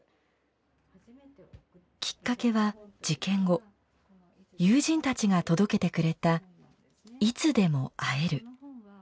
きっかけは事件後友人たちが届けてくれた「いつでも会える」。